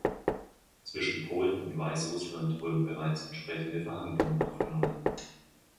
Zwischen Polen und Weißrussland wurden bereits entsprechende Verhandlungen aufgenommen.